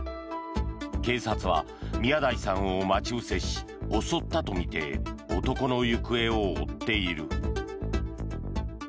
警察は、宮台さんを待ち伏せし襲ったとみて男の行方を追っている。